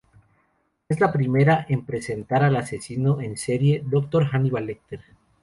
Es la primera en presentar al asesino en serie Dr. Hannibal Lecter.